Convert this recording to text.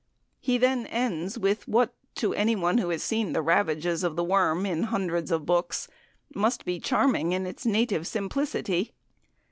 He then ends with what, to anyone who has seen the ravages of the worm in hundreds of books, must be charming in its native simplicity.